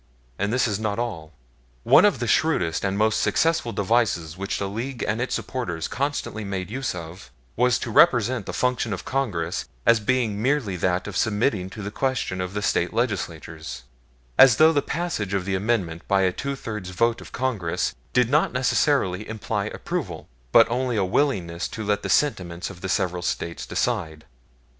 And this is not all. One of the shrewdest and most successful of the devices which the League and its supporters constantly made use of was to represent the function of Congress as being merely that of submitting the question to the State Legislatures; as though the passage of the Amendment by a two thirds vote of Congress did not necessarily imply approval, but only a willingness to let the sentiment of the several States decide.